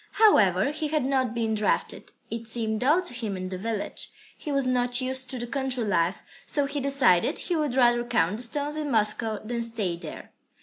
However, he had not been drafted. It seemed dull to him in the village, he was not used to the country life, so he decided he would rather count the stones in Moscow than stay there.